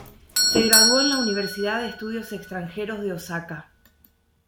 Se graduó en la Universidad de Estudios Extranjeros de Osaka.